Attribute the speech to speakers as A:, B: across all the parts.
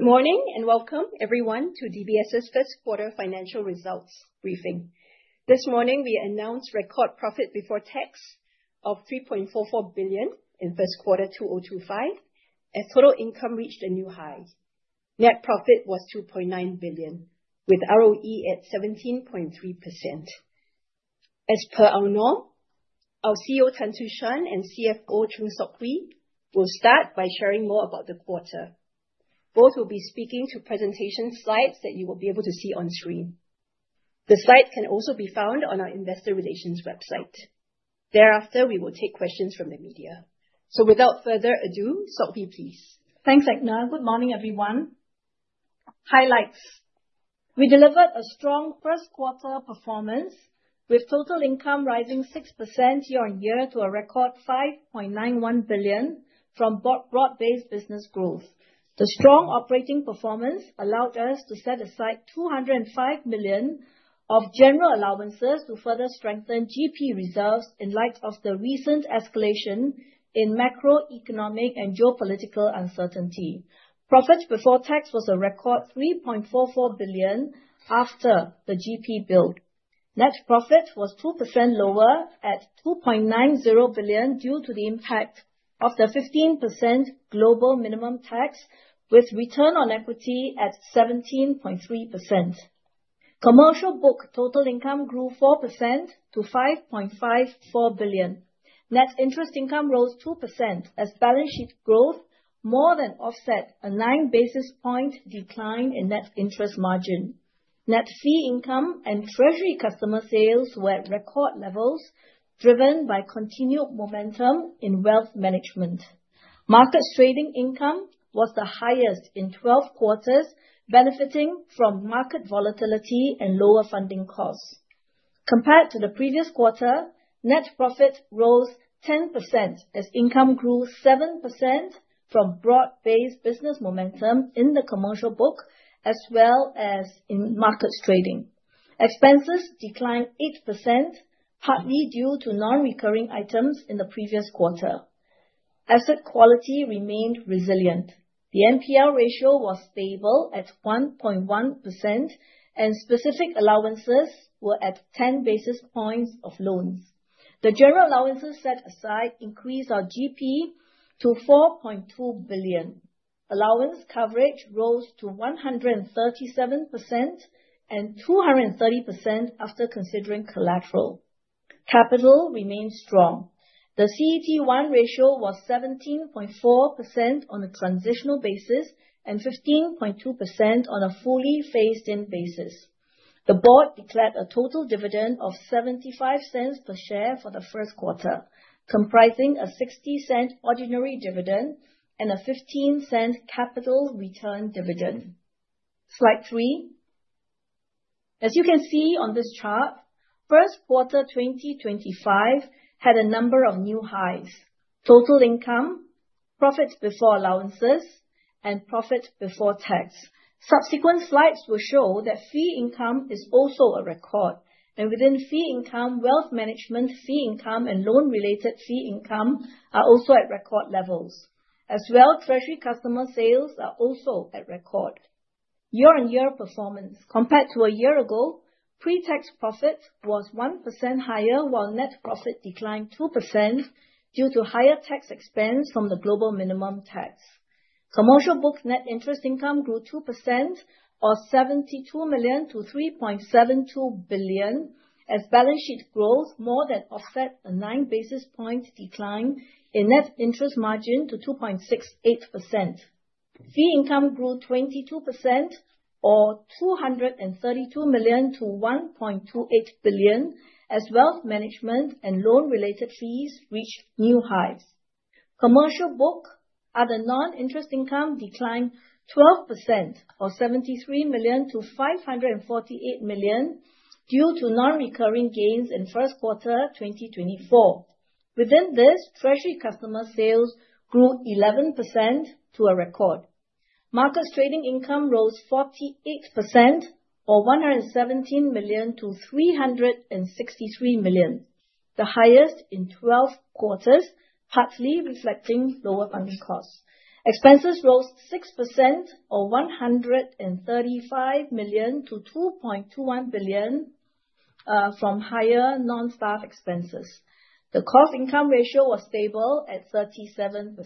A: Good morning, and welcome, everyone, to DBS's First Quarter Financial Results Briefing. This morning, we announced record profit before tax of 3.44 billion in first quarter 2025, as total income reached a new high. Net profit was 2.9 billion, with ROE at 17.3%. As per our norm, our CEO, Tan Su Shan, and CFO, Chng Sok Hui, will start by sharing more about the quarter. Both will be speaking to presentation slides that you will be able to see on screen. The slides can also be found on our Investor Relations website. Thereafter, we will take questions from the media. So without further ado, Sok Hui, please.
B: Thanks, Edna. Good morning, everyone. Highlights. We delivered a strong first quarter performance, with total income rising 6% year-on-year to a record 5.91 billion from broad, broad-based business growth. The strong operating performance allowed us to set aside 205 million of general allowances to further strengthen GP reserves in light of the recent escalation in macroeconomic and geopolitical uncertainty. Profits before tax was a record SGD 3.44 billion after the GP build. Net profit was 2% lower at SGD 2.90 billion, due to the impact of the 15% global minimum tax, with return on equity at 17.3%. Commercial book total income grew 4% to 5.54 billion. Net interest income rose 2%, as balance sheet growth more than offset a nine basis points decline in net interest margin. Net fee income and treasury customer sales were at record levels, driven by continued momentum in wealth management. Markets trading income was the highest in 12 quarters, benefiting from market volatility and lower funding costs. Compared to the previous quarter, net profit rose 10% as income grew 7% from broad-based business momentum in the commercial book, as well as in markets trading. Expenses declined 8%, partly due to non-recurring items in the previous quarter. Asset quality remained resilient. The NPL ratio was stable at 1.1%, and specific allowances were at 10 basis points of loans. The general allowances set aside increased our GP to 4.2 billion. Allowance coverage rose to 137% and 230% after considering collateral. Capital remained strong. The CET1 ratio was 17.4% on a transitional basis and 15.2% on a fully phased-in basis. The board declared a total dividend of 0.75 per share for the first quarter, comprising a 0.60 ordinary dividend and a 0.15 capital return dividend. Slide 3. As you can see on this chart, first quarter 2025 had a number of new highs: total income, profits before allowances, and profits before tax. Subsequent slides will show that fee income is also a record, and within fee income, wealth management fee income, and loan-related fee income are also at record levels. As well, treasury customer sales are also at record. Year-on-year performance. Compared to a year ago, pre-tax profit was 1% higher, while net profit declined 2% due to higher tax expense from the Global Minimum Tax. Commercial book net interest income grew 2%, or 72 million-3.72 billion, as balance sheet growth more than offset a 9 basis points decline in net interest margin to 2.68%. Fee income grew 22%, or 232 million-1.28 billion, as wealth management and loan-related fees reached new highs. Commercial book other non-interest income declined 12%, or 73 million-548 million, due to non-recurring gains in first quarter 2024. Within this, treasury customer sales grew 11% to a record. Markets trading income rose 48%, or 117 million-363 million, the highest in 12 quarters, partly reflecting lower funding costs. Expenses rose 6%, or 135 million-2.21 billion, from higher non-staff expenses. The cost-income ratio was stable at 37%.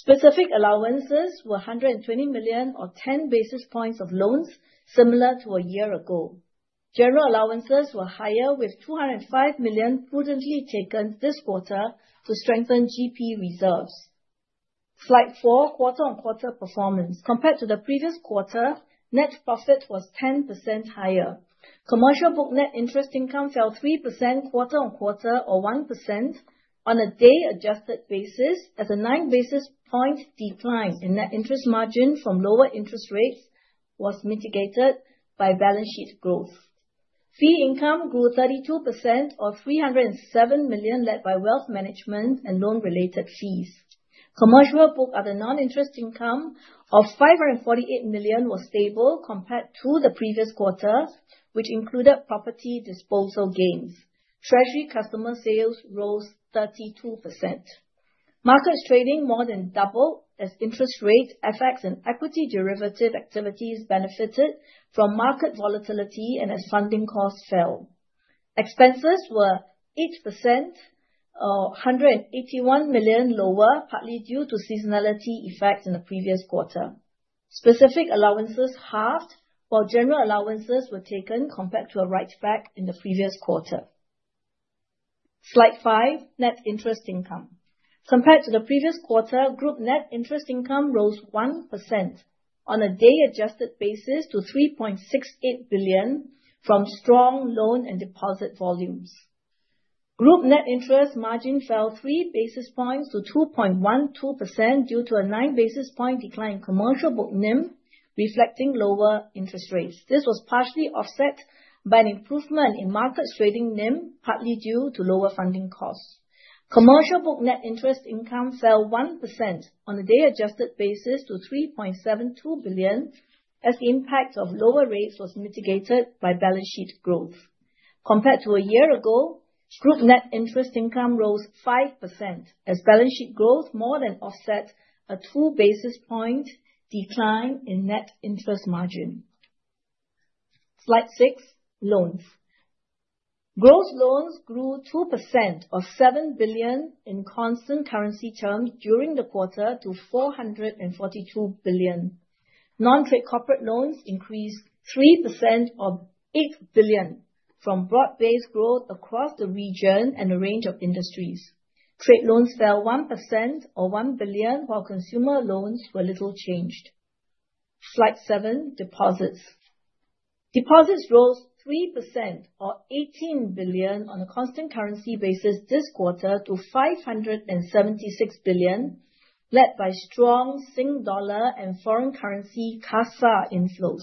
B: Specific allowances were 120 million, or 10 basis points of loans, similar to a year ago. General allowances were higher, with 205 million prudently taken this quarter to strengthen GP reserves. Slide 4. Quarter-on-quarter performance. Compared to the previous quarter, net profit was 10% higher. Commercial book net interest income fell 3% quarter-on-quarter, or 1% on a day-adjusted basis, as a nine basis points decline in net interest margin from lower interest rates was mitigated by balance sheet growth. Fee income grew 32%, or 307 million, led by wealth management and loan-related fees. Commercial book other non-interest income of 548 million was stable compared to the previous quarter, which included property disposal gains. Treasury customer sales rose 32%. Markets trading more than double as interest rates, FX, and equity derivative activities benefited from market volatility and as funding costs fell. Expenses were 8%, or 181 million lower, partly due to seasonality effects in the previous quarter. Specific allowances halved, while general allowances were taken compared to a write back in the previous quarter. Slide 5, Net Interest Income. Compared to the previous quarter, group Net Interest Income rose 1% on a day-adjusted basis to 3.68 billion from strong loan and deposit volumes. Group Net Interest Margin fell 3 basis points to 2.12% due to a 9 basis point decline in commercial book NIM, reflecting lower interest rates. This was partially offset by an improvement in markets trading NIM, partly due to lower funding costs. Commercial book net interest income fell 1% on a day-adjusted basis to 3.72 billion, as the impact of lower rates was mitigated by balance sheet growth. Compared to a year ago, group net interest income rose 5%, as balance sheet growth more than offset a 2 basis points decline in net interest margin. Slide 6, Loans. Gross loans grew 2% or 7 billion in constant currency terms during the quarter to 442 billion. Non-trade corporate loans increased 3% or 8 billion from broad-based growth across the region and a range of industries. Trade loans fell 1% or 1 billion, while consumer loans were little changed. Slide 7, Deposits. Deposits rose 3% or 18 billion on a constant currency basis this quarter to 576 billion, led by strong Sing Dollar and foreign currency CASA inflows.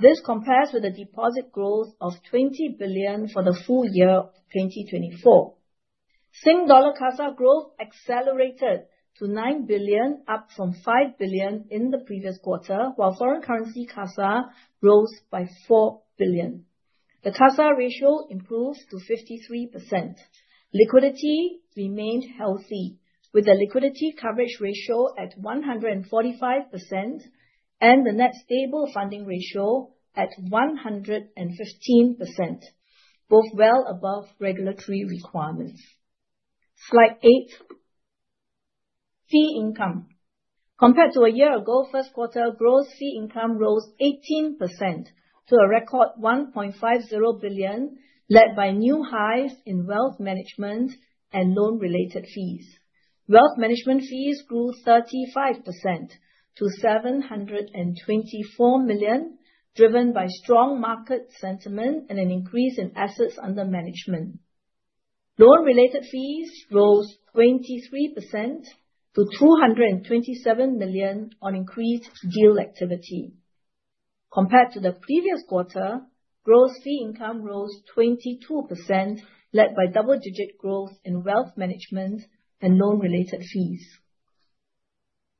B: This compares with a deposit growth of 20 billion for the full year of 2024. Sing Dollar CASA growth accelerated to 9 billion, up from 5 billion in the previous quarter, while foreign currency CASA rose by 4 billion. The CASA ratio improved to 53%. Liquidity remained healthy, with the liquidity coverage ratio at 145% and the net stable funding ratio at 115%, both well above regulatory requirements. Slide 8, Fee Income. Compared to a year ago, first quarter gross fee income rose 18% to a record 1.50 billion, led by new highs in wealth management and loan-related fees. Wealth management fees grew 35% to 724 million, driven by strong market sentiment and an increase in assets under management. Loan-related fees rose 23% to 227 million on increased deal activity. Compared to the previous quarter, gross fee income rose 22%, led by double-digit growth in wealth management and loan-related fees.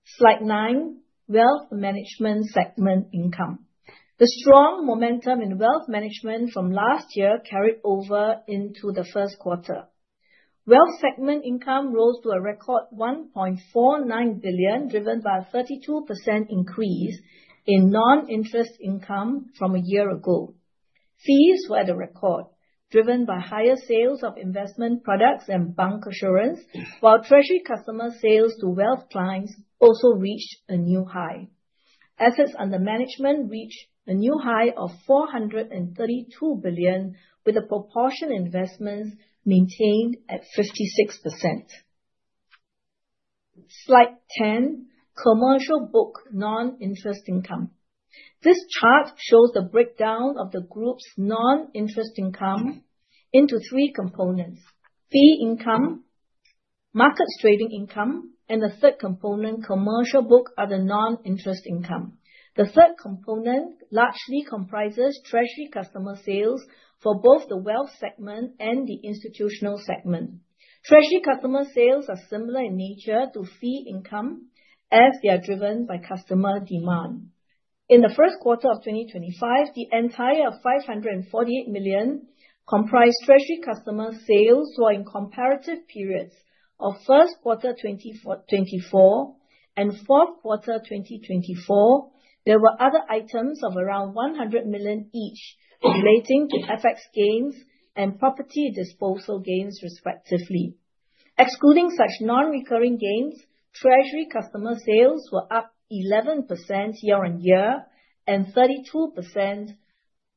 B: Slide 9, Wealth Management Segment Income. The strong momentum in wealth management from last year carried over into the first quarter. Wealth segment income rose to a record 1.49 billion, driven by a 32% increase in non-interest income from a year ago. Fees were at a record, driven by higher sales of investment products and Bancassurance, while treasury customer sales to wealth clients also reached a new high. Assets Under Management reached a new high of SGD 432 billion, with the proportion investments maintained at 56%. Slide 10, Commercial Book Non-Interest Income. This chart shows the breakdown of the group's non-interest income into three components: fee income, markets trading income, and the third component, commercial book, are the non-interest income. The third component largely comprises treasury customer sales for both the Wealth segment and the Institutional segment. Treasury customer sales are similar in nature to fee income, as they are driven by customer demand. In the first quarter of 2025, the entire 548 million comprised treasury customer sales, while in comparative periods of first quarter 2024 and fourth quarter 2024, there were other items of around 100 million each relating to FX gains and property disposal gains, respectively. Excluding such non-recurring gains, treasury customer sales were up 11% year-on-year and 32%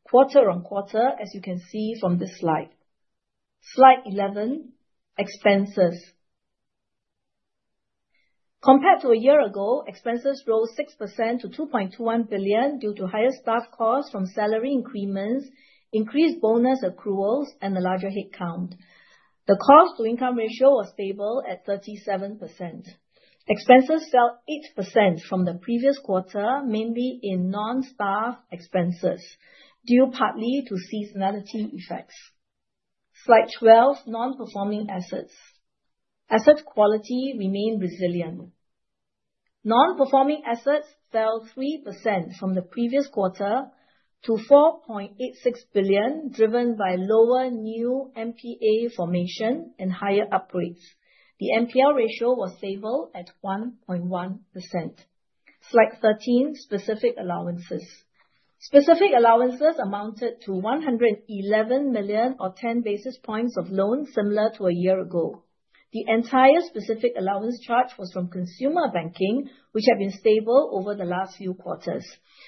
B: quarter-on-quarter, as you can see from this slide. Slide 11, Expenses. Compared to a year ago, expenses rose 6% to 2.21 billion due to higher staff costs from salary increments, increased bonus accruals, and a larger headcount. The cost-to-income ratio was stable at 37%. Expenses fell 8% from the previous quarter, mainly in non-staff expenses, due partly to seasonality effects. Slide 12, Non-Performing Assets. Asset quality remained resilient. Non-performing assets fell 3% from the previous quarter to 4.86 billion, driven by lower new NPA formation and higher upgrades. The NPL ratio was stable at 1.1%. Slide 13, Specific Allowances. Specific Allowances amounted to 111 million, or 10 basis points of loans, similar to a year ago. The entire Specific Allowance charge was from Consumer Banking, which had been stable over the last few quarters.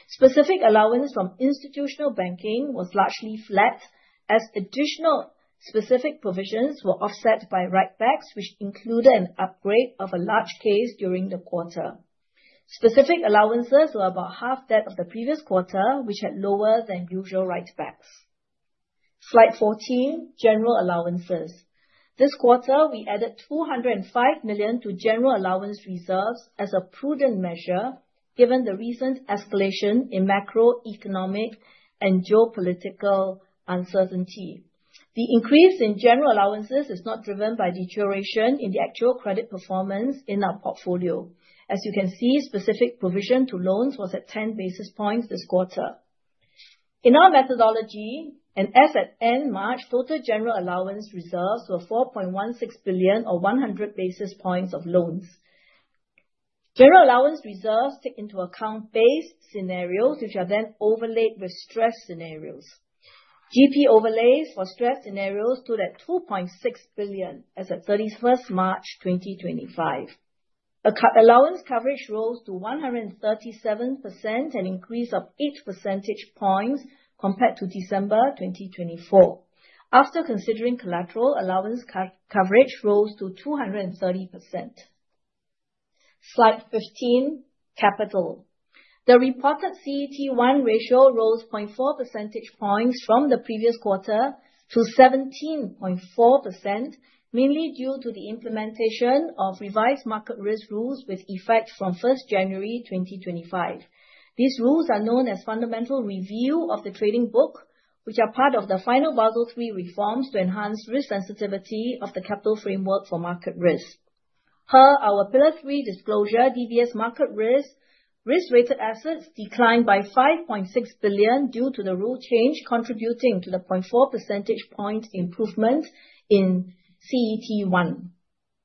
B: Specific Allowance from Institutional Banking was largely flat, as additional Specific Provisions were offset by write-backs, which included an upgrade of a large case during the quarter. Specific Allowances were about half that of the previous quarter, which had lower than usual write-backs. Slide 14, General Allowances. This quarter, we added 205 million to General Allowance reserves as a prudent measure, given the recent escalation in macroeconomic and geopolitical uncertainty. The increase in General Allowances is not driven by deterioration in the actual credit performance in our portfolio. As you can see, Specific Provision to loans was at 10 basis points this quarter. In our methodology, as at end March, total general allowance reserves were 4.16 billion, or 100 basis points of loans. General allowance reserves take into account base scenarios, which are then overlaid with stress scenarios. GP overlays for stress scenarios stood at 2.6 billion as at 31 March 2025. Allowance coverage rose to 137%, an increase of 8 percentage points compared to December 2024. After considering collateral, allowance coverage rose to 230%. Slide 15, Capital. The reported CET1 ratio rose 0.4 percentage points from the previous quarter to 17.4%, mainly due to the implementation of revised market risk rules with effect from 1 January 2025. These rules are known as Fundamental Review of the Trading Book, which are part of the final Basel III reforms to enhance risk sensitivity of the capital framework for market risk. Per our Pillar Three disclosure, DBS Market Risk risk-weighted assets declined by 5.6 billion due to the rule change, contributing to the 0.4 percentage point improvement in CET1.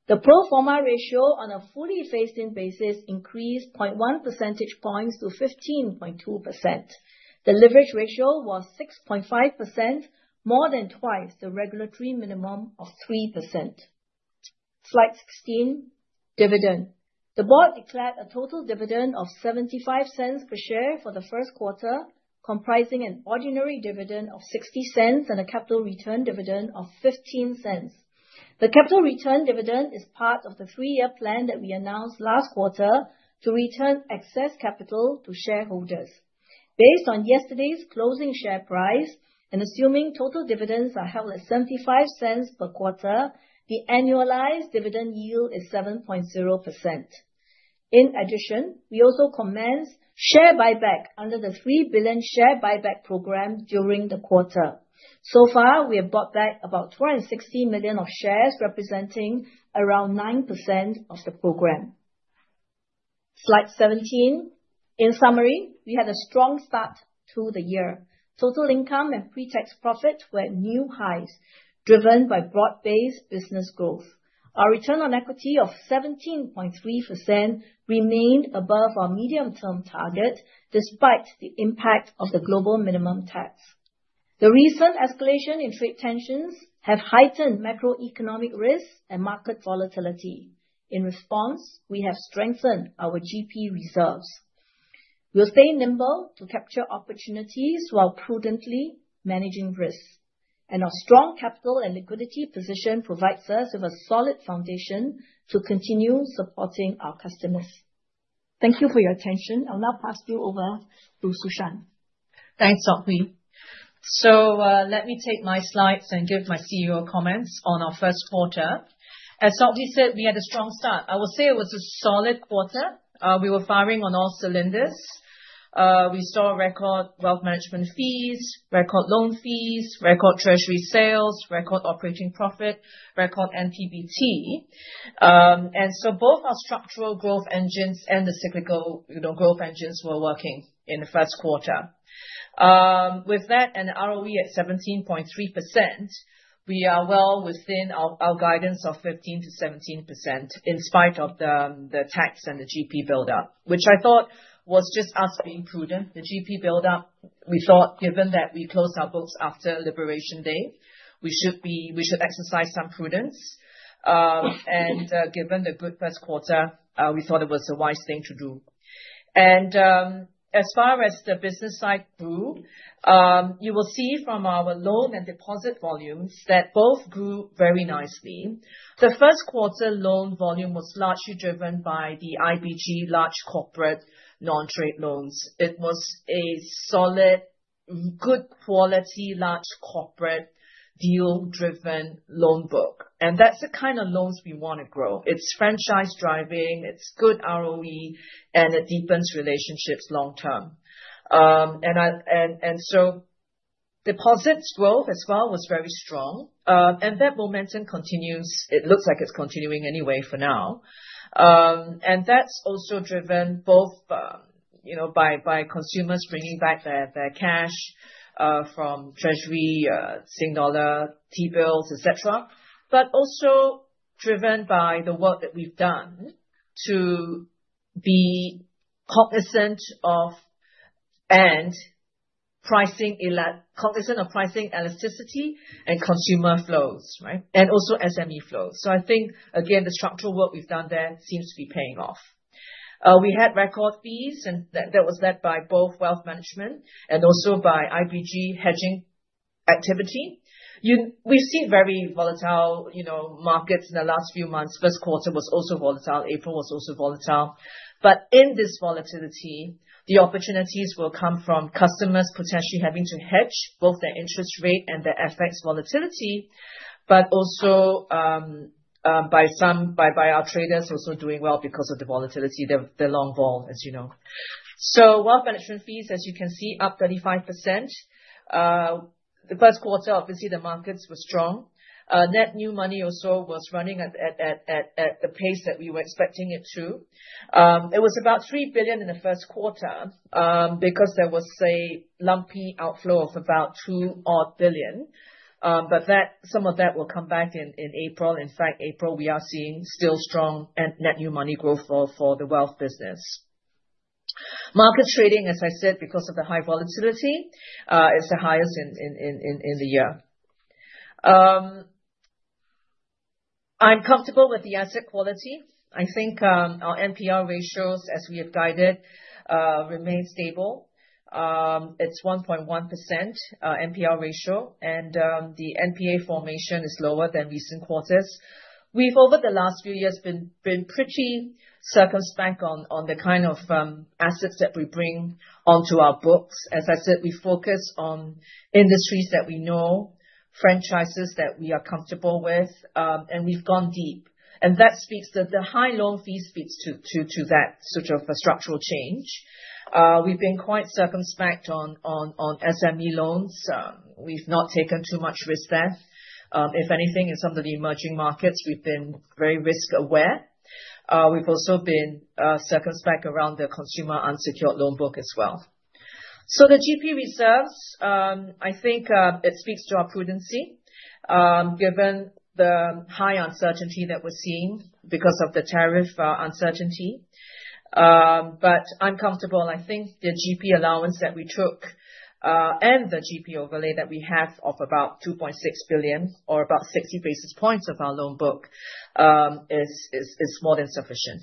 B: The pro forma ratio on a fully phased-in basis increased 0.1 percentage points to 15.2%. The leverage ratio was 6.5%, more than twice the regulatory minimum of 3%. Slide 16. Dividend. The board declared a total dividend of 0.75 per share for the first quarter, comprising an ordinary dividend of 0.60 and a capital return dividend of 0.15. The capital return dividend is part of the three-year plan that we announced last quarter to return excess capital to shareholders. Based on yesterday's closing share price, and assuming total dividends are held at 0.75 per quarter, the annualized dividend yield is 7.0%. In addition, we also commenced share buyback under the 3 billion share buyback program during the quarter. So far, we have bought back about 260 million of shares, representing around 9% of the program. Slide 17. In summary, we had a strong start to the year. Total income and pre-tax profits were at new highs, driven by broad-based business growth. Our return on equity of 17.3% remained above our medium-term target, despite the impact of the global minimum tax. The recent escalation in trade tensions have heightened macroeconomic risks and market volatility. In response, we have strengthened our GP reserves. We'll stay nimble to capture opportunities while prudently managing risks, and our strong capital and liquidity position provides us with a solid foundation to continue supporting our customers. Thank you for your attention. I'll now pass you over to Su Shan.
C: Thanks, Sok Hui. So, let me take my slides and give my CEO comments on our first quarter. As Sok Hui said, we had a strong start. I will say it was a solid quarter. We were firing on all cylinders. We saw record wealth management fees, record loan fees, record treasury sales, record operating profit, record NPBT. And so both our structural growth engines and the cyclical, you know, growth engines were working in the first quarter. With that, and ROE at 17.3%, we are well within our guidance of 15%-17%, in spite of the tax and the GP buildup, which I thought was just us being prudent. The GP buildup, we thought, given that we close our books after Liberation Day, we should exercise some prudence. Given the good first quarter, we thought it was a wise thing to do. As far as the business side grew, you will see from our loan and deposit volumes that both grew very nicely. The first quarter loan volume was largely driven by the IBG large corporate non-trade loans. It was a solid, good quality, large corporate deal-driven loan book, and that's the kind of loans we wanna grow. It's franchise-driving, it's good ROE, and it deepens relationships long-term. Deposits growth as well was very strong, and that momentum continues. It looks like it's continuing anyway for now. And that's also driven both, you know, by, by consumers bringing back their, their cash, from treasury, SingDollar, T-bills, et cetera. But also driven by the work that we've done to be cognizant of pricing elasticity and consumer flows, right? And also SME flows. So I think, again, the structural work we've done there seems to be paying off. We had record fees, and that was led by both wealth management and also by IBG hedging activity. We've seen very volatile, you know, markets in the last few months. First quarter was also volatile, April was also volatile. But in this volatility, the opportunities will come from customers potentially having to hedge both their interest rate and their FX volatility, but also by our traders also doing well because of the volatility, the long haul, as you know. So wealth management fees, as you can see, up 35%. The first quarter, obviously, the markets were strong. Net new money also was running at the pace that we were expecting it to. It was about 3 billion in the first quarter, because there was a lumpy outflow of about 2 billion. But that—some of that will come back in April. In fact, April, we are seeing still strong net new money growth for the Wealth business. Market trading, as I said, because of the high volatility, is the highest in the year. I'm comfortable with the asset quality. I think our NPR ratios, as we have guided, remain stable. It's 1.1%, NPR ratio, and the NPA formation is lower than recent quarters. We've, over the last few years, been pretty circumspect on the kind of assets that we bring onto our books. As I said, we focus on industries that we know, franchises that we are comfortable with, and we've gone deep. And that speaks to the high loan fees speaks to that sort of a structural change. We've been quite circumspect on SME loans. We've not taken too much risk there. If anything, in some of the emerging markets, we've been very risk aware. We've also been circumspect around the consumer unsecured loan book as well. So the GP reserves, I think, it speaks to our prudency, given the high uncertainty that we're seeing because of the tariff uncertainty. But I'm comfortable, and I think the GP allowance that we took and the GP overlay that we have of about 2.6 billion or about 60 basis points of our loan book is more than sufficient.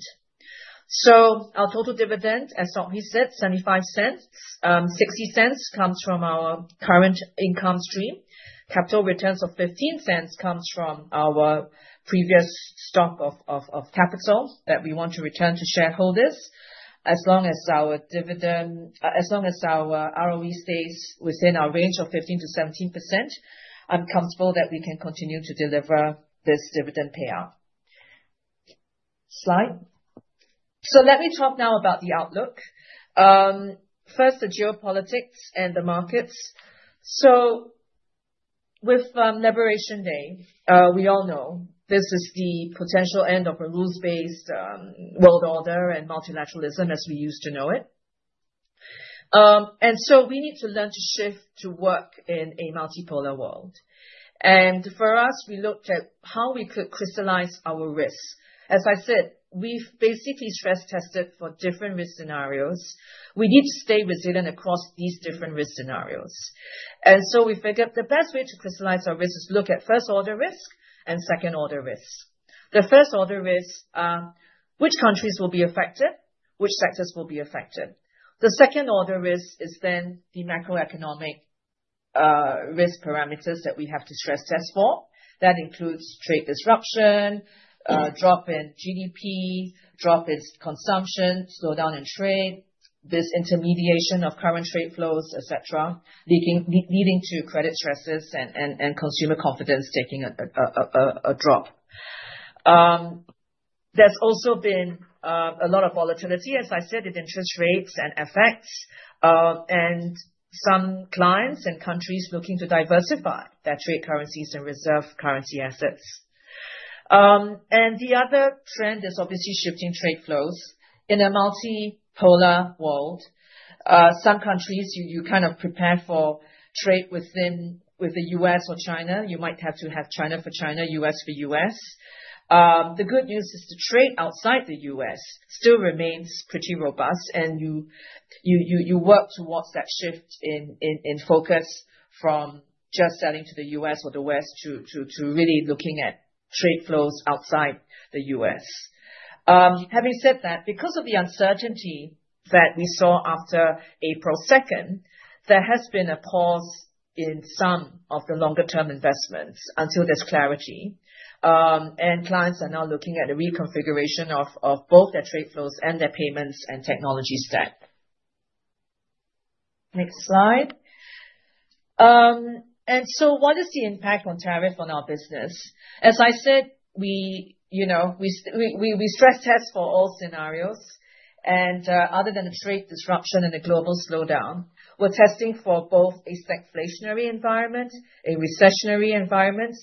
C: So our total dividend, as Sok Hui said, 0.75. Sixty cents comes from our current income stream. Capital returns of 0.15 comes from our previous stock of capital that we want to return to shareholders. As long as our ROE stays within our range of 15%-17%, I'm comfortable that we can continue to deliver this dividend payout. Slide. So let me talk now about the outlook. First, the geopolitics and the markets. So with Liberation Day, we all know this is the potential end of a rules-based world order and multilateralism as we used to know it. And so we need to learn to shift to work in a multipolar world. And for us, we looked at how we could crystallize our risks. As I said, we've basically stress tested for different risk scenarios. We need to stay resilient across these different risk scenarios. And so we figured the best way to crystallize our risks is look at first-order risk and second-order risks. The first-order risk, which countries will be affected, which sectors will be affected? The second-order risk is then the macroeconomic risk parameters that we have to stress test for. That includes trade disruption, drop in GDP, drop in consumption, slowdown in trade, this intermediation of current trade flows, et cetera, leading to credit stresses and consumer confidence taking a drop. There's also been a lot of volatility, as I said, with interest rates and effects, and some clients and countries looking to diversify their trade currencies and reserve currency assets. The other trend is obviously shifting trade flows. In a multipolar world, some countries, you kind of prepare for trade with the U.S. or China. You might have to have China for China, U.S. for U.S. The good news is the trade outside the U.S. still remains pretty robust, and you work towards that shift in focus from just selling to the U.S. or the West to really looking at trade flows outside the U.S.. Having said that, because of the uncertainty that we saw after April second, there has been a pause in some of the longer-term investments until there's clarity, and clients are now looking at the reconfiguration of both their trade flows and their payments and technology stack. Next slide. And so what is the impact on tariff on Our business? As I said, we, you know, stress test for all scenarios, and other than a trade disruption and a global slowdown, we're testing for both a stagflationary environment, a recessionary environment,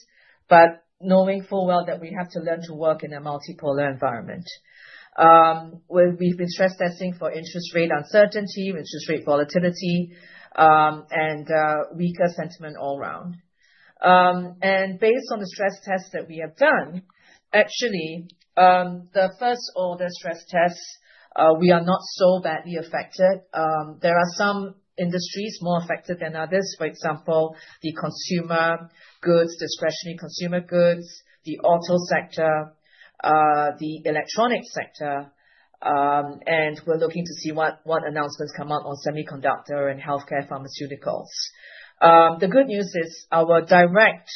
C: but knowing full well that we have to learn to work in a multipolar environment. Where we've been stress testing for interest rate uncertainty, interest rate volatility, and weaker sentiment all around. And based on the stress test that we have done, actually, the first-order stress tests, we are not so badly affected. There are some industries more affected than others, for example, the consumer goods, discretionary consumer goods, the auto sector, the electronic sector, and we're looking to see what announcements come out on semiconductor and healthcare pharmaceuticals. The good news is our direct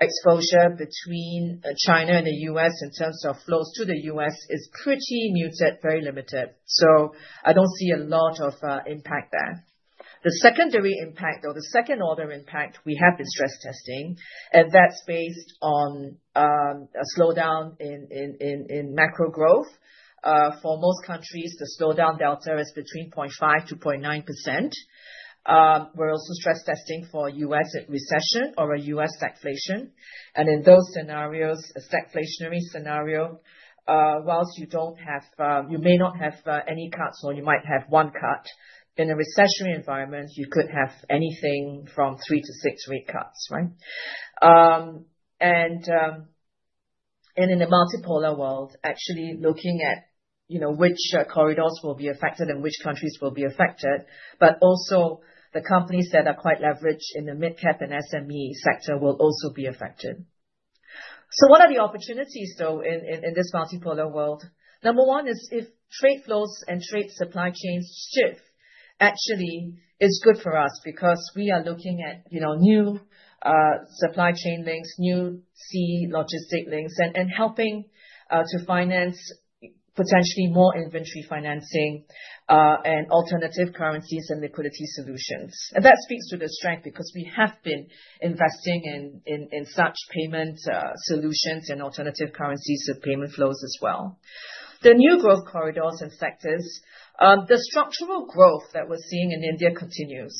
C: exposure between China and the U.S., in terms of flows to the U.S., is pretty muted, very limited, so I don't see a lot of impact there. The secondary impact or the second-order impact, we have been stress testing, and that's based on a slowdown in macro growth. For most countries, the slowdown delta is between 0.5%-0.9%. We're also stress testing for U.S. recession or a U.S. stagflation, and in those scenarios, a stagflationary scenario, whilst you don't have—you may not have any cuts, or you might have one cut, in a recessionary environment, you could have anything from 3-6 rate cuts, right? In a multipolar world, actually looking at, you know, which corridors will be affected and which countries will be affected, but also the companies that are quite leveraged in the mid-cap and SME sector will also be affected. So what are the opportunities, though, in this multipolar world? Number one is if trade flows and trade supply chains shift, actually it's good for us because we are looking at, you know, new supply chain links, new sea logistic links, and helping to finance potentially more inventory financing, and alternative currencies and liquidity solutions. And that speaks to the strength because we have been investing in such payment solutions and alternative currencies, so payment flows as well. The new growth corridors and sectors. The structural growth that we're seeing in India continues.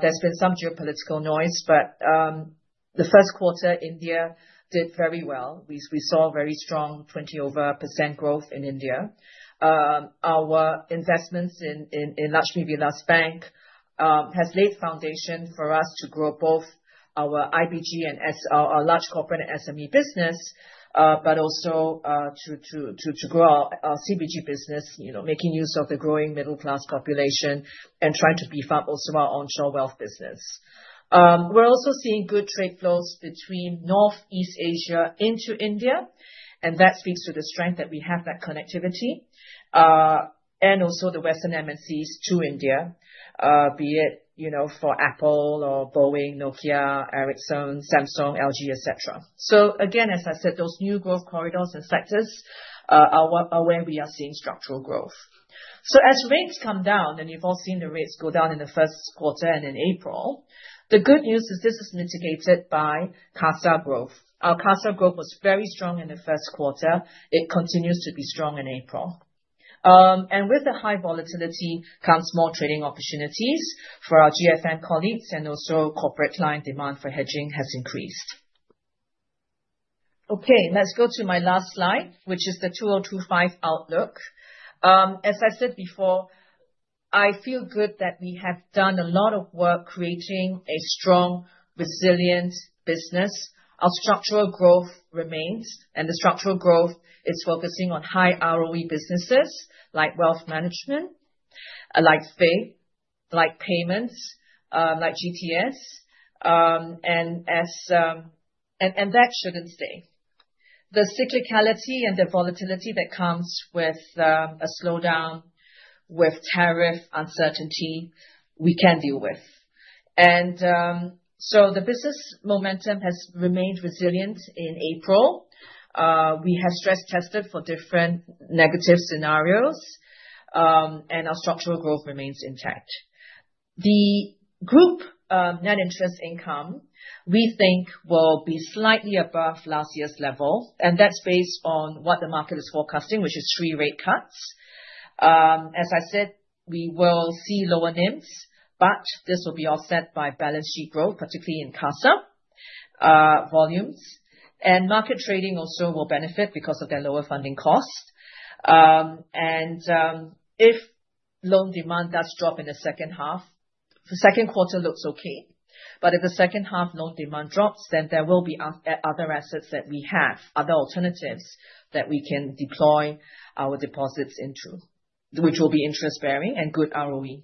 C: There's been some geopolitical noise, but the first quarter, India did very well. We saw very strong, over 20% growth in India. Our investments in Lakshmi Vilas Bank has laid foundation for us to grow both our IBG and our large corporate SME business, but also to grow our CBG business, you know, making use of the growing middle-class population and trying to beef up also our Onshore Wealth business. We're also seeing good trade flows between Northeast Asia into India, and that speaks to the strength that we have that connectivity, and also the Western MNCs to India, be it, you know, for Apple or Boeing, Nokia, Ericsson, Samsung, LG, et cetera. So again, as I said, those new growth corridors and sectors, are where, are where we are seeing structural growth. So as rates come down, and you've all seen the rates go down in the first quarter and in April, the good news is this is mitigated by CASA growth. Our CASA growth was very strong in the first quarter. It continues to be strong in April. And with the high volatility, comes more trading opportunities for our GFM colleagues, and also corporate client demand for hedging has increased. Okay, let's go to my last slide, which is the 2025 outlook. As I said before, I feel good that we have done a lot of work creating a strong, resilient business. Our structural growth remains, and the structural growth is focusing on high ROE businesses like wealth management, like fee income, like payments, like GTS, and that should stay. The cyclicality and the volatility that comes with a slowdown with tariff uncertainty, we can deal with. So the business momentum has remained resilient in April. We have stress-tested for different negative scenarios, and our structural growth remains intact. The group net interest income, we think, will be slightly above last year's level, and that's based on what the market is forecasting, which is 3 rate cuts. As I said, we will see lower NIMs, but this will be offset by balance sheet growth, particularly in CASA volumes. Market trading also will benefit because of their lower funding costs. If loan demand does drop in the second half, the second quarter looks okay, but if the second half loan demand drops, then there will be other assets that we have, other alternatives that we can deploy our deposits into, which will be interest-bearing and good ROE.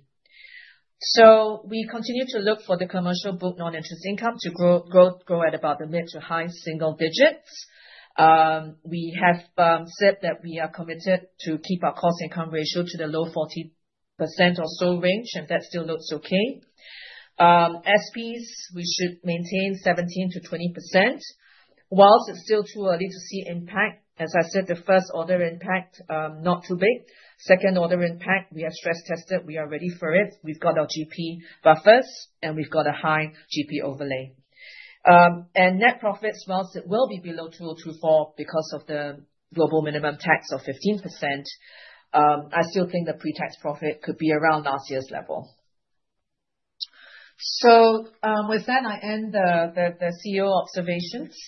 C: So we continue to look for the commercial book non-interest income to grow, grow, grow at about the mid- to high-single digits. We have said that we are committed to keep our cost income ratio to the low 40% or so range, and that still looks okay. SPs, we should maintain 17%-20%. Whilst it's still too early to see impact, as I said, the first order impact not too big. Second order impact, we are stress tested, we are ready for it. We've got our GP buffers, and we've got a high GP overlay. Net profits, while it will be below 2024 because of the global minimum tax of 15%, I still think the pre-tax profit could be around last year's level. With that, I end the CEO observations.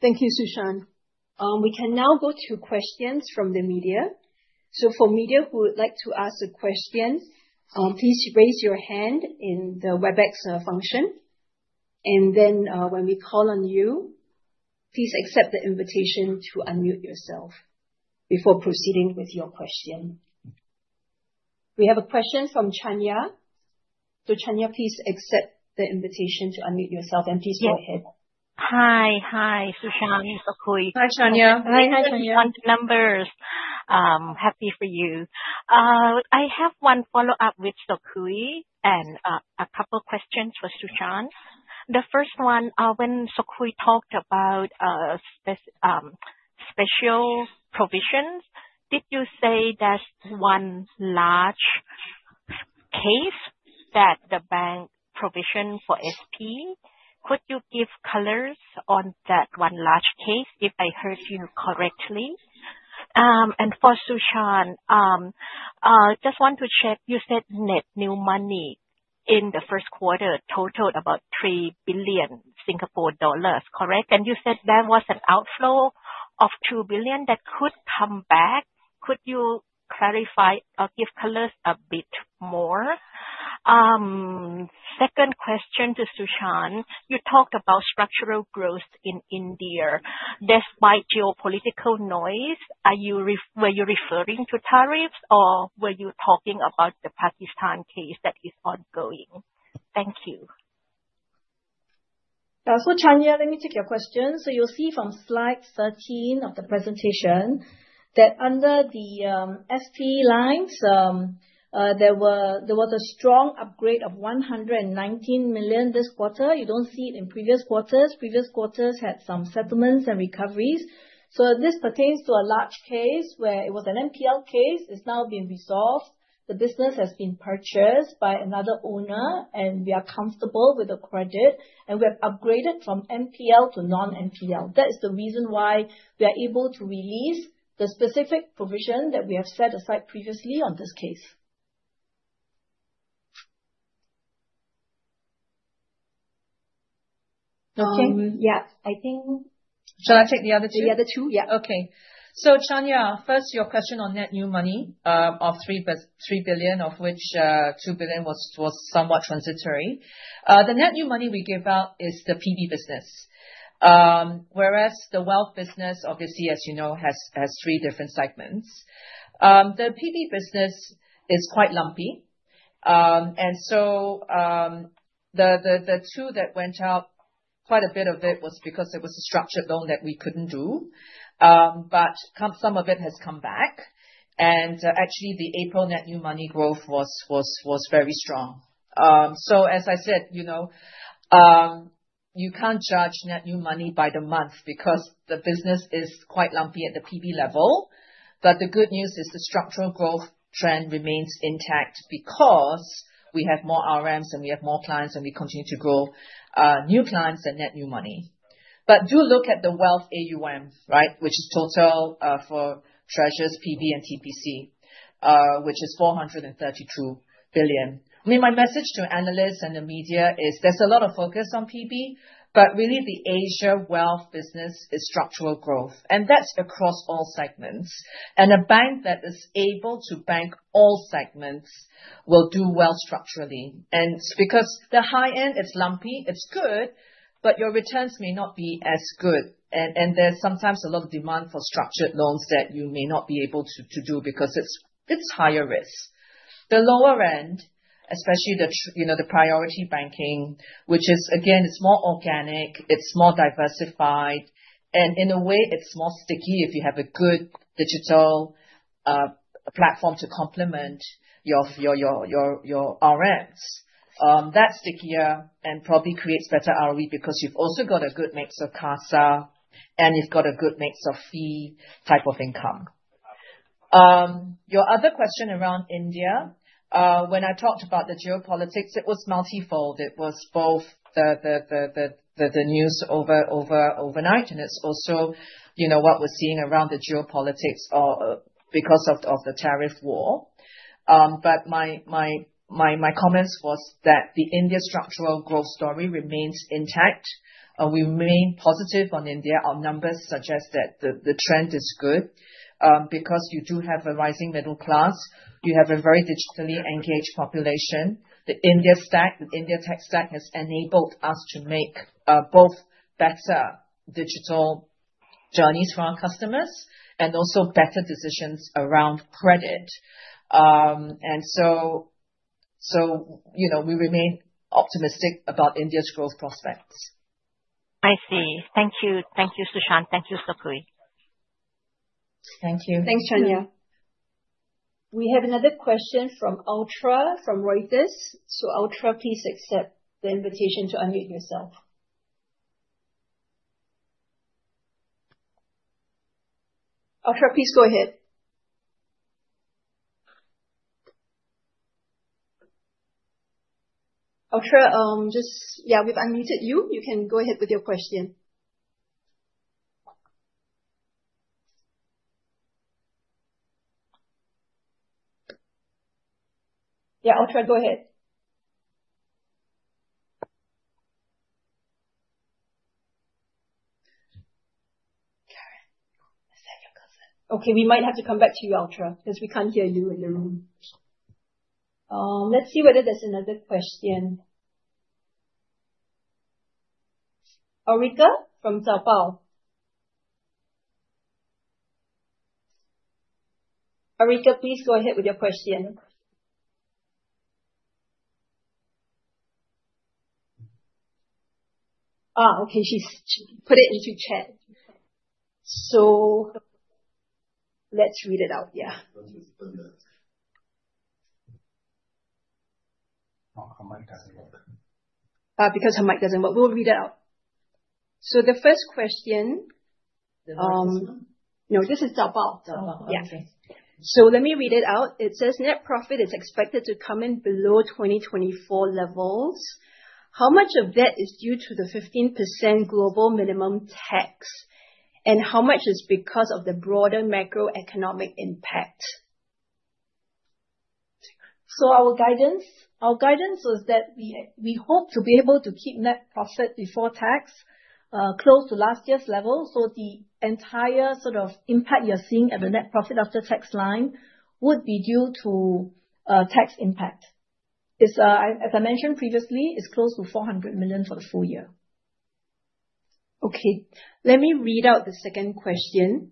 A: Thank you, Su Shan. We can now go to questions from the media. So for media who would like to ask a question, please raise your hand in the WebEx function, and then, when we call on you, please accept the invitation to unmute yourself before proceeding with your question. We have a question from Chanya. So, Chanya, please accept the invitation to unmute yourself, and please go ahead.
D: Hi. Hi, Su Shan and Sok Hui.
C: Hi,
B: Hi, Chanya.
D: Numbers. Happy for you. I have one follow-up with Sok Hui and a couple questions for Su Shan. The first one, when Sok Hui talked about spec, special provisions, did you say there's one large case that the bank provisioned for SP? Could you give colors on that one large case, if I heard you correctly? And for Su Shan, just want to check, you said net new money in the first quarter totaled about 3 billion Singapore dollars, correct? And you said there was an outflow of 2 billion that could come back. Could you clarify or give colors a bit more? Second question to Su Shan: You talked about structural growth in India, despite geopolitical noise. Were you referring to tariffs, or were you talking about the Pakistan case that is ongoing? Thank you.
B: So Chanya, let me take your question. So you'll see from slide 13 of the presentation, that under the SP lines, there was a strong upgrade of 119 million this quarter. You don't see it in previous quarters. Previous quarters had some settlements and recoveries. So this pertains to a large case where it was an NPL case. It's now been resolved. The business has been purchased by another owner, and we are comfortable with the credit, and we have upgraded from NPL to non-NPL. That is the reason why we are able to release the specific provision that we have set aside previously on this case.
D: Okay. Yeah, I think-
C: Shall I take the other two?
D: The other two, yeah.
C: Okay. So, Chanya, first, your question on net new money of 3 billion, of which 2 billion was somewhat transitory. The net new money we give out is the PB business. Whereas the Wealth business, obviously, as you know, has three different segments. The PB business is quite lumpy. And so, the two that went out, quite a bit of it was because there was a structured loan that we couldn't do, but some of it has come back. And actually, the April net new money growth was very strong. So as I said, you know, you can't judge net new money by the month because the business is quite lumpy at the PB level. But the good news is the structural growth trend remains intact because we have more RMs, and we have more clients, and we continue to grow new clients and net new money. But do look at the wealth AUM, right, which is total for treasures, PB and TPC, which is 432 billion. I mean, my message to analysts and the media is: There's a lot of focus on PB, but really, the Asia Wealth business is structural growth, and that's across all segments. And a bank that is able to bank all segments will do well structurally. And there's sometimes a lot of demand for structured loans that you may not be able to do because it's higher risk. The lower end, especially the—you know, the priority banking, which is, again, it's more organic, it's more diversified, and in a way, it's more sticky if you have a good digital platform to complement your RMs. That's stickier and probably creates better ROE because you've also got a good mix of CASA, and you've got a good mix of fee type of income. Your other question around India, when I talked about the geopolitics, it was multifold. It was both the news over overnight, and it's also, you know, what we're seeing around the geopolitics because of the tariff war. But my comments was that the India structural growth story remains intact. We remain positive on India. Our numbers suggest that the trend is good, because you do have a rising middle class, you have a very digitally engaged population. The India stack, the India tech stack, has enabled us to make both better digital journeys for our customers and also better decisions around credit. And so, you know, we remain optimistic about India's growth prospects.
D: I see. Thank you. Thank you, Su Shan. Thank you, Sok Hui.
B: Thank you.
A: Thanks, Chanya. We have another question from Ultra, from Reuters. So Ultra, please accept the invitation to unmute yourself. Ultra, please go ahead. Ultra, just yeah, we've unmuted you. You can go ahead with your question. Yeah, Ultra, go ahead. Okay, we might have to come back to you, Ultra, 'cause we can't hear you in the room. Let's see whether there's another question. Erica from Zaobao. Erica, please go ahead with your question. Okay, she's, she put it into chat. So let's read it out, yeah.
C: Her mic doesn't work.
A: Because her mic doesn't work. We'll read it out. So the first question-
C: The first one?
A: No, this is Zaobao.
C: Zaobao.
A: Yeah.
C: Okay.
A: So let me read it out. It says, "Net profit is expected to come in below 2024 levels. How much of that is due to the 15% global minimum tax, and how much is because of the broader macroeconomic impact?" So our guidance, our guidance was that we, we hope to be able to keep net profit before tax, close to last year's level. So the entire sort of impact you're seeing at the net profit after tax line would be due to, tax impact. It's, as I mentioned previously, it's close to 400 million for the full year. Okay, let me read out the second question: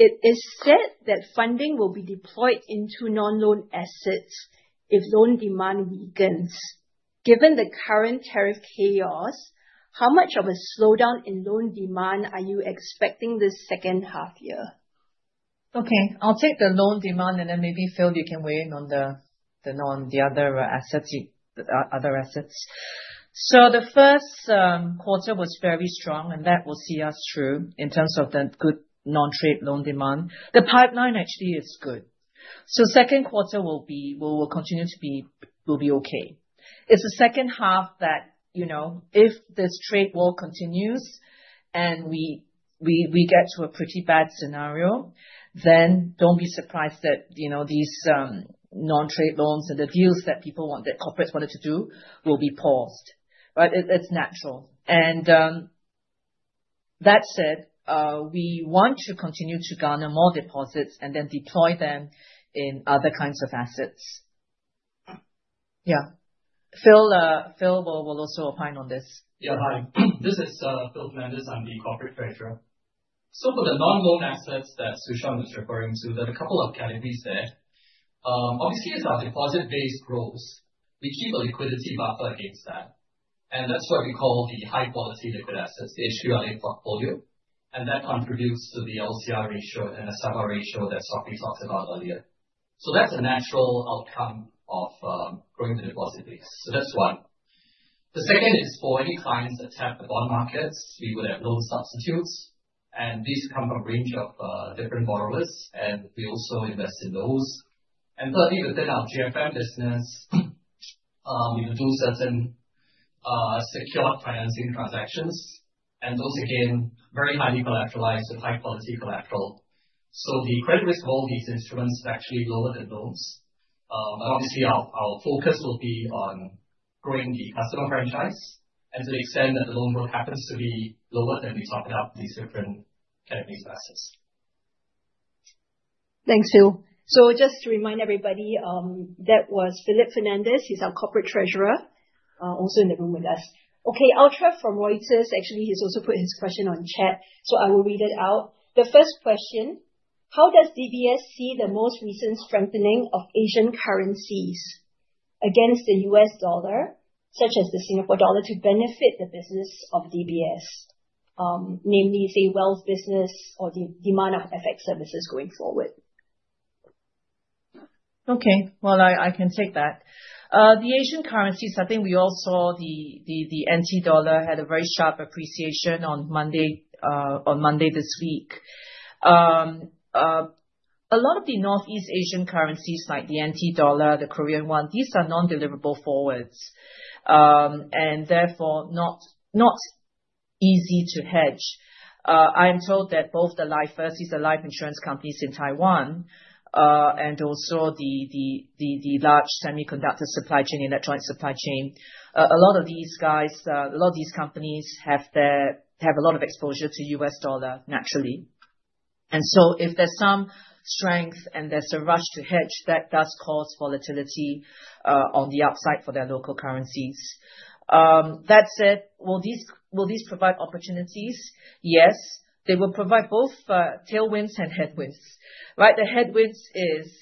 A: "It is said that funding will be deployed into non-loan assets if loan demand weakens. Given the current tariff chaos, how much of a slowdown in loan demand are you expecting this second half year?
C: Okay, I'll take the loan demand, and then maybe, Phil, you can weigh in on the other assets. So the first quarter was very strong, and that will see us through in terms of the good non-trade loan demand. The pipeline actually is good. So second quarter will continue to be okay. It's the second half that, you know, if this trade war continues and we get to a pretty bad scenario, then don't be surprised that, you know, these non-trade loans and the deals that people want, that corporates wanted to do, will be paused, right? It's natural. That said, we want to continue to garner more deposits and then deploy them in other kinds of assets. Yeah. Phil will also opine on this.
E: Yeah. Hi, this is Philip Fernandes. I'm the corporate treasurer. So for the non-loan assets that Su Shan was referring to, there are a couple of categories there. Obviously, it's our deposit-based growth. We keep a liquidity buffer against that, and that's what we call the high-quality liquid assets, the HQLA portfolio, and that contributes to the LCR ratio and the SLR ratio that Sok Hui talked about earlier. So that's a natural outcome of growing the deposit base. So that's one. The second is, for any clients that tap the bond markets, we would have loan substitutes, and these come from a range of different borrowers, and we also invest in those. And thirdly, within our GFM business, we will do certain secure financing transactions, and those, again, very highly collateralized with high-quality collateral. So the credit risk of all these instruments is actually lower than loans. But obviously, our focus will be on growing the customer franchise, and to the extent that the loan book happens to be lower than we topped up these different categories of assets.
A: Thanks, Phil. So just to remind everybody, that was Philip Fernandes. He's our corporate treasurer, also in the room with us. Okay, Ultra from Reuters, actually, he's also put his question on chat, so I will read it out. The first question: "How does DBS see the most recent strengthening of Asian currencies against the U.S. dollar, such as the Singapore dollar, to benefit the business of DBS, namely, say, Wealth business or the demand of FX services going forward?
C: Okay. Well, I can take that. The Asian currencies, I think we all saw the NT dollar had a very sharp appreciation on Monday, on Monday this week. A lot of the Northeast Asian currencies, like the NT dollar, the Korean won, these are non-deliverable forwards, and therefore not easy to hedge. I am told that both the lifers, these are life insurance companies in Taiwan, and also the large semiconductor supply chain, electronic supply chain, a lot of these guys, a lot of these companies have a lot of exposure to U.S. dollar, naturally. And so if there's some strength and there's a rush to hedge, that does cause volatility on the upside for their local currencies. That said, will these provide opportunities? Yes, they will provide both, tailwinds and headwinds, right? The headwinds is,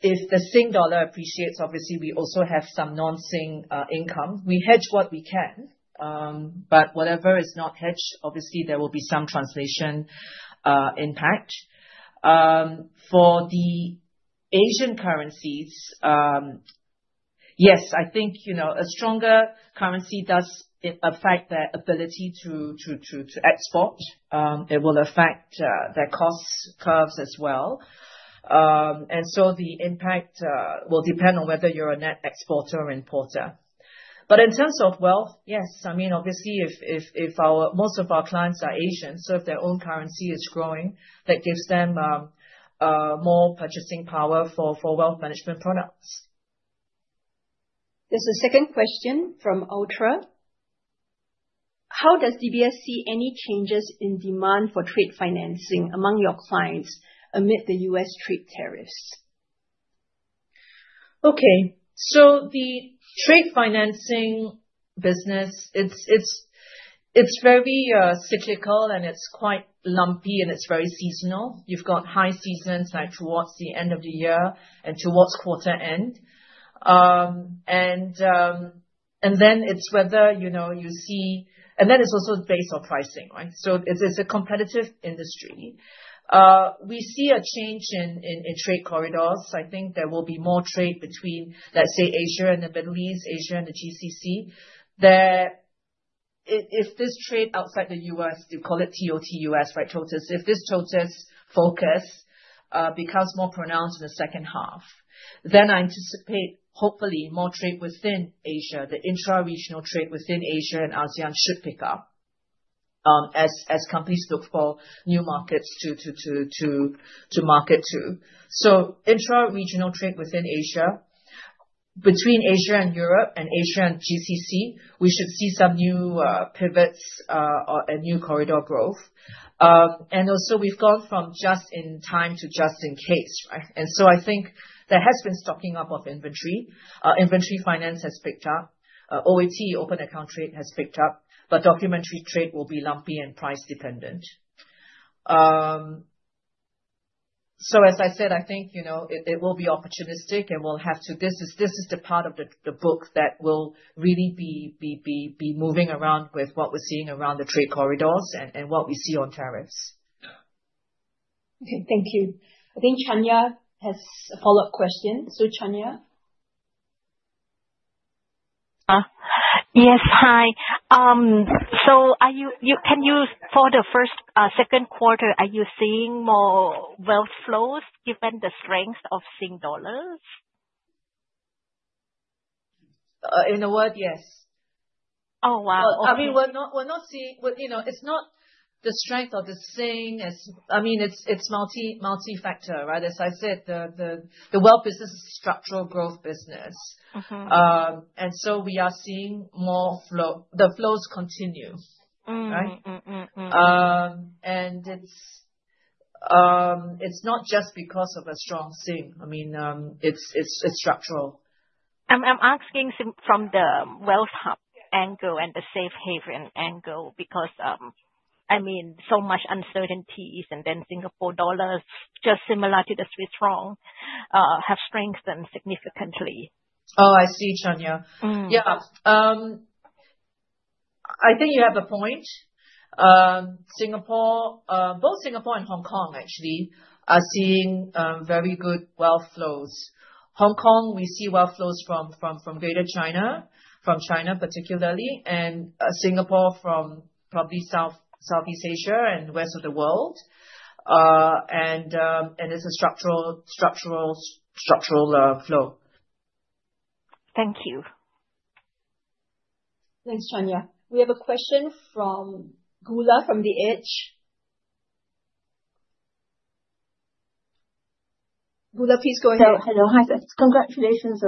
C: if the Sing Dollar appreciates, obviously, we also have some non-Sing, income. We hedge what we can, but whatever is not hedged, obviously, there will be some translation, impact. For the Asian currencies, yes, I think, you know, a stronger currency does affect their ability to export. It will affect, their cost curves as well. And so the impact, will depend on whether you're a net exporter or importer. But in terms of wealth, yes. I mean, obviously, if our-- most of our clients are Asian, so if their own currency is growing, that gives them, more purchasing power for, wealth management products.
A: There's a second question from Ultra: "How does DBS see any changes in demand for trade financing among your clients amid the U.S. trade tariffs?
C: Okay, so the Trade Financing business, it's very cyclical, and it's quite lumpy, and it's very seasonal. You've got high seasons, like, towards the end of the year and towards quarter end. And then it's whether, you know, you see. And then it's also based on pricing, right? So it's a competitive industry. We see a change in trade corridors. I think there will be more trade between, let's say, Asia and the Middle East, Asia and the GCC. If this trade outside the U.S., we call it TOTUS., right, TOTUS. If this TOTUS. focus becomes more pronounced in the second half, then I anticipate, hopefully, more trade within Asia. The intra-regional trade within Asia and ASEAN should pick up, as companies look for new markets to market to. So intra-regional trade within Asia, between Asia and Europe and Asia and GCC, we should see some new pivots and new corridor growth. And also, we've gone from just in time to just in case, right? And so I think there has been stocking up of inventory. Inventory finance has picked up. OAT, open account trade, has picked up, but documentary trade will be lumpy and price dependent. So as I said, I think, you know, it, they will be opportunistic and will have to. This is the part of the book that will really be moving around with what we're seeing around the trade corridors and what we see on tariffs.
A: Okay, thank you. I think Chanya has a follow-up question. So, Chanya?
D: Yes, hi. So, for the first, second quarter, are you seeing more wealth flows given the strength of Singapore dollars?
C: In a word, yes.
D: Oh, wow!
C: I mean, we're not seeing. But, you know, it's not the strength or the Singapore, I mean, it's multifactor, right? As I said, the Wealth business is a Structural Growth business. And so we are seeing more flow. The flows continue. Right? It's not just because of a strong Sing. I mean, it's structural.
D: I'm asking from the wealth hub angle and the safe haven angle, because I mean, so much uncertainties, and then Singapore dollars, just similar to the Swiss franc, have strengthened significantly.
C: Oh, I see, Chanya.
D: Mm.
C: Yeah. I think you have a point. Singapore, both Singapore and Hong Kong actually are seeing very good wealth flows. Hong Kong, we see wealth flows from Greater China, from China particularly, and Singapore from probably South, Southeast Asia and west of the world. And it's a structural flow.
D: Thank you.
A: Thanks, Chanya. We have a question from Goola from The Edge. Goola, please go ahead.
F: Hello, hello. Hi there. Congratulations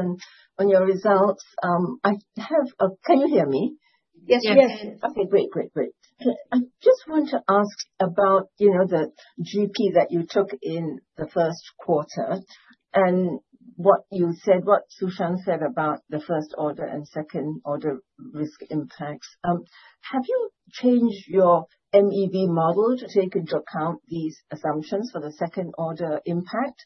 F: on your results. Can you hear me?
A: Yes, we can.
F: Okay, great, great, great. I just want to ask about, you know, the GP that you took in the first quarter, and what you said, what Su Shan said about the first order and second order risk impacts. Have you changed your MEV model to take into account these assumptions for the second order impact?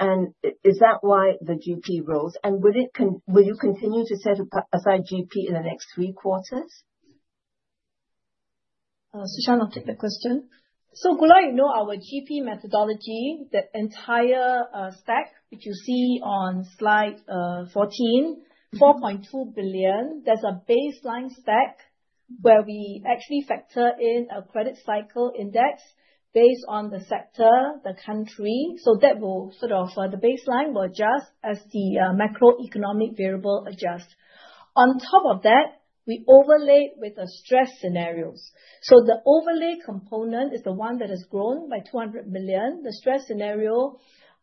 F: And is that why the GP rose? And will you continue to set aside GP in the next three quarters?
A: Su Shan will take the question.
B: So, Goola, you know, our GP methodology, the entire stack, which you see on slide 14, 4.2 billion. That's a baseline stack where we actually factor in a credit cycle index based on the sector, the country, so that will sort of the baseline will adjust as the macroeconomic variable adjusts. On top of that, we overlay with the stress scenarios. So the overlay component is the one that has grown by 200 million. The stress scenario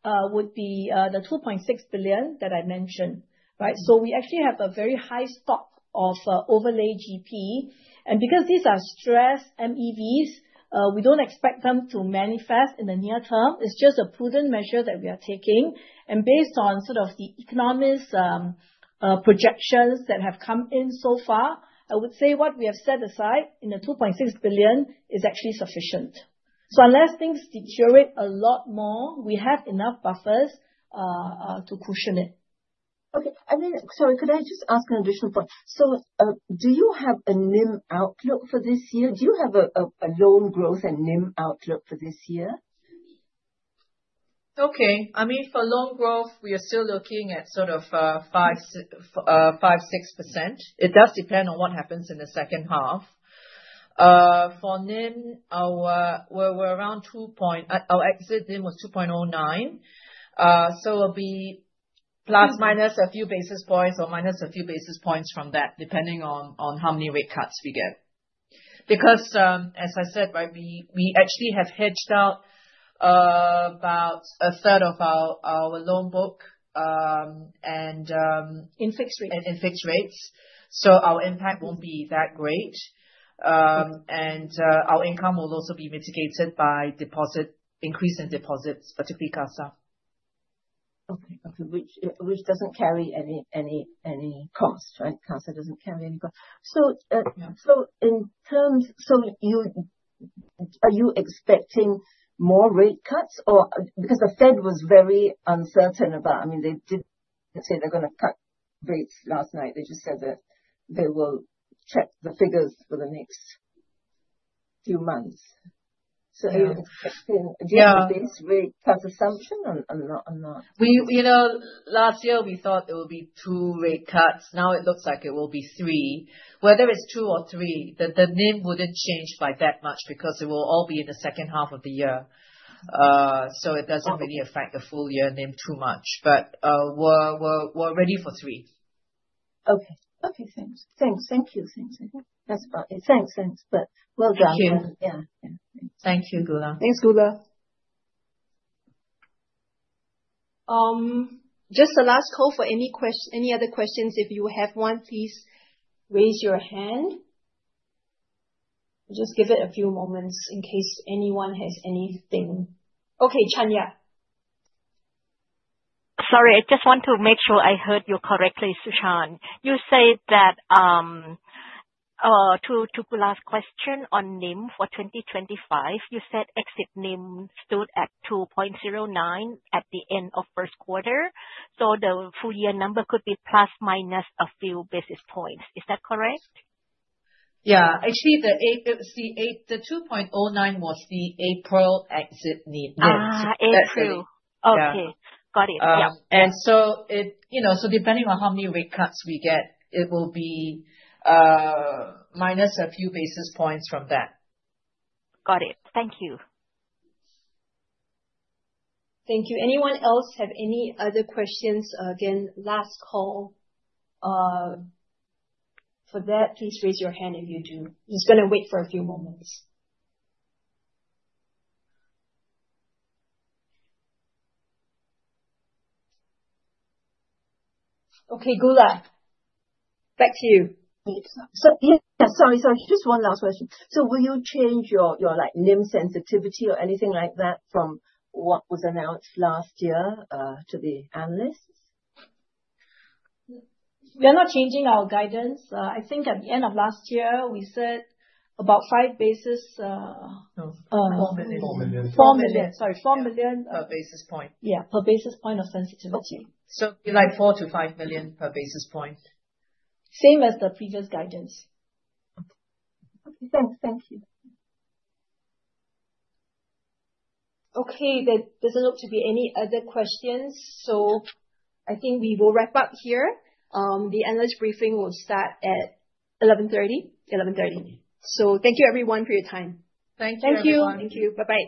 B: would be the 2.6 billion that I mentioned, right? So we actually have a very high stock of overlay GP. And because these are stress MEVs, we don't expect them to manifest in the near term. It's just a prudent measure that we are taking. Based on sort of the economist projections that have come in so far, I would say what we have set aside in the 2.6 billion is actually sufficient. So unless things deteriorate a lot more, we have enough buffers to cushion it.
F: Okay. And then, sorry, could I just ask an additional point? So, do you have a NIM outlook for this year? Do you have a loan growth and NIM outlook for this year?
C: Okay. I mean, for loan growth, we are still looking at sort of, 5%-6%. It does depend on what happens in the second half. For NIM, we're around 2.0. Our exit NIM was 2.09. So it'll be ± a few basis points or minus a few basis points from that, depending on how many rate cuts we get. Because, as I said, right, we actually have hedged out about a third of our loan book, and
B: In fixed rates.
C: In fixed rates, so our impact won't be that great. Our income will also be mitigated by increase in deposits, particularly CASA.
F: Okay. Okay, which doesn't carry any cost, right? CASA doesn't carry any cost. So-
C: Yeah.
F: So, are you expecting more rate cuts? Or, because the Fed was very uncertain about. I mean, they didn't say they're gonna cut rates last night. They just said that they will check the figures for the next few months.
C: Yeah.
F: Are you expecting-
C: Yeah.
F: To have this rate cut assumption or not, or not?
C: We, you know, last year, we thought there will be two rate cuts. Now, it looks like it will be three. Whether it's two or three, the NIM wouldn't change by that much, because it will all be in the second half of the year. So it doesn't.
F: Okay
C: Really affect the full year NIM too much. But, we're ready for three.
F: Okay. Okay, thanks. Thanks. Thank you. Thanks again. That's about it. Thanks. Thanks. But well done.
C: Thank you.
F: Yeah. Yeah.
C: Thank you, Goola.
A: Thanks, Goola. Just a last call for any other questions. If you have one, please raise your hand. Just give it a few moments in case anyone has anything. Okay, Chanya.
D: Sorry, I just want to make sure I heard you correctly, Su Shan. You said that to Goola's last question on NIM for 2025, you said exit NIM stood at 2.09 at the end of first quarter, so the full year number could be ± a few basis points. Is that correct?
C: Yeah. Actually, the 8, the 2.09 was the April exit NIM.
D: Ah, April.
C: That's it.
D: Okay.
C: Yeah.
D: Got it. Yeah.
C: You know, so depending on how many rate cuts we get, it will be minus a few basis points from that.
D: Got it. Thank you.
A: Thank you. Anyone else have any other questions? Again, last call, for that. Please raise your hand if you do. Just gonna wait for a few more moments. Okay, Goola, back to you.
F: So, yeah, sorry, sorry. Just one last question. So will you change your, like, NIM sensitivity or anything like that from what was announced last year to the analysts?
A: We are not changing our guidance. I think at the end of last year, we said about 5 basis.
C: No.
F: Four million.
C: Four million.
A: 4 million, sorry, 4 million-
C: Per basis point.
A: Yeah, per basis point of sensitivity.
C: So be like 4 million-5 million per basis point.
B: Same as the previous guidance.
F: Okay. Thanks. Thank you.
A: Okay, there doesn't look to be any other questions, so I think we will wrap up here. The analyst briefing will start at 11:30. 11:30. So thank you, everyone, for your time.
C: Thank you, everyone.
A: Thank you. Thank you. Bye bye.